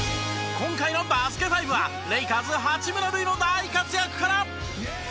今回の『バスケ☆ＦＩＶＥ』はレイカーズ八村塁の大活躍から！